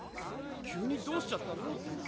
急にどうしちゃったの？